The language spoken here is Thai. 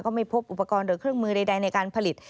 ไม่พบอุปกรณ์หรือเครื่องมือใดในการผลิต